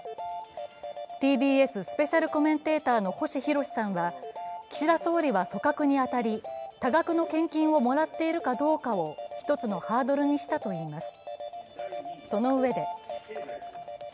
ＴＢＳスペシャルコメンテーターの星浩さんは岸田総理は組閣に当たり、多額の献金をもらっているかどうかを一つのハードルにしたといいます。